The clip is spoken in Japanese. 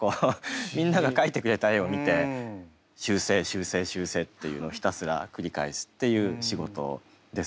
みんなが描いてくれた絵を見て修正修正修正っていうのをひたすら繰り返すっていう仕事です。